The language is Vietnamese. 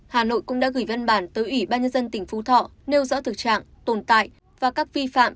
hà nội cũng đã gửi văn bản tới ủy ban nhân dân tỉnh phú thọ nêu rõ thực trạng tồn tại và các vi phạm